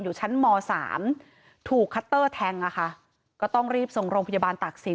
อยู่ชั้นม๓ถูกคัตเตอร์แทงอ่ะค่ะก็ต้องรีบส่งโรงพยาบาลตากศิล